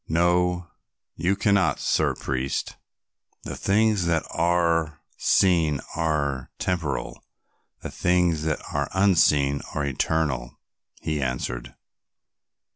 No, you cannot, Sir Priest." "The things that are seen are temporal, the things that are unseen are eternal," he answered.